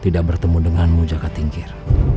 tidak bertemu dengan mu jaka tingkir